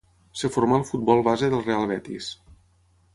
Es formà al futbol base del Real Betis.